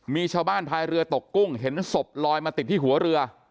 มีชาวบ้านพายเรือตกกุ้งเห็นศพลอยมาติดที่หัวเรือ